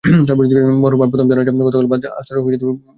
মরহুমার প্রথম জানাজা গতকাল বাদ আসর গুলশান আজাদ মসজিদে অনুষ্ঠিত হয়।